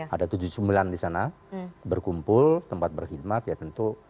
ada tujuh puluh sembilan di sana berkumpul tempat berkhidmat ya tentu